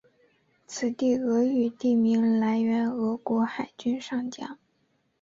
此地俄语地名来源俄国海军上将。